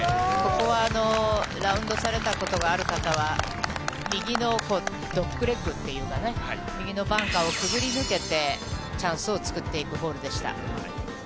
ここはラウンドされたことがある方は、右のドッグレッグっていうかね、右のバンカーをくぐり抜けて、チャンスを作っていくホールでした。